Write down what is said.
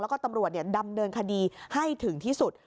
แล้วก็ตำรวจดำเนินคดีให้ถึงที่สุด